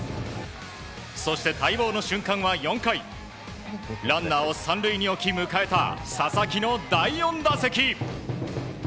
そして、待望の瞬間は４回ランナーを３塁に置き迎えた佐々木の第４打席。